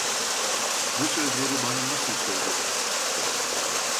Bu sözleri bana nasıl söylüyorsun?